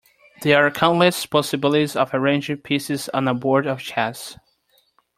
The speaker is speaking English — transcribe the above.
There are countless possibilities of arranging pieces on a board of chess.